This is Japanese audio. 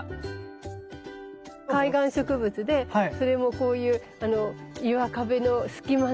海岸植物でそれもこういう岩壁の隙間なんかに。